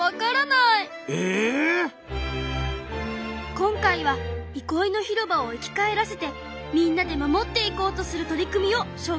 今回はいこいの広場を生き返らせてみんなで守っていこうとする取り組みをしょうかいするね。